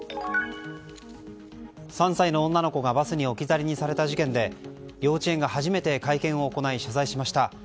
３歳の女の子がバスに置き去りにされた事件で幼稚園が初めて会見を行い謝罪しました。